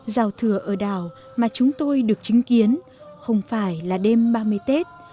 giao thừa ở đảo mà chúng tôi được chứng kiến không phải là đêm ba mươi tết